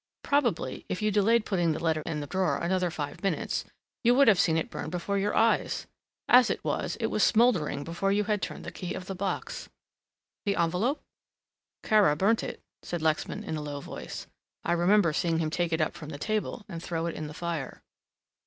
Probably if you delayed putting the letter in the drawer another five minutes, you would have seen it burn before your eyes. As it was, it was smouldering before you had turned the key of the box. The envelope!" "Kara burnt it," said Lexman in a low voice, "I remember seeing him take it up from the table and throw it in the fire."